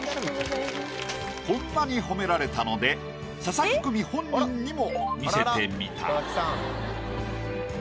こんなに褒められたので佐々木久美本人にも見せてみた。